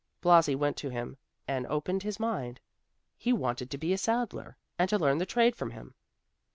Blasi went to him and opened his mind; he wanted to be a saddler, and to learn the trade from him.